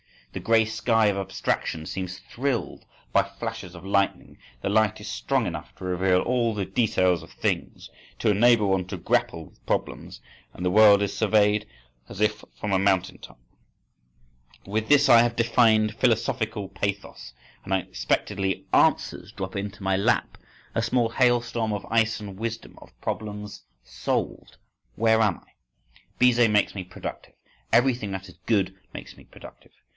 The grey sky of abstraction seems thrilled by flashes of lightning; the light is strong enough to reveal all the details of things; to enable one to grapple with problems; and the world is surveyed as if from a mountain top—With this I have defined philosophical pathos—And unexpectedly answers drop into my lap, a small hailstorm of ice and wisdom, of problems solved. Where am I? Bizet makes me productive. Everything that is good makes me productive.